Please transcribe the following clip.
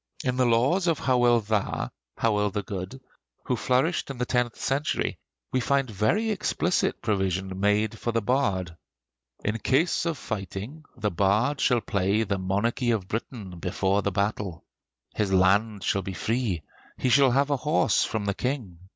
In the Laws of Howel Dda (Howel the Good), who flourished in the tenth century, we find very explicit provision made for the bard: "In case of fighting, the Bard shall play the 'Monarchy of Britain' before the battle! "His land shall be free; he shall have a horse from the King!